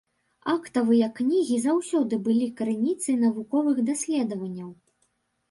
Актавыя кнігі заўсёды былі крыніцай навуковых даследаванняў.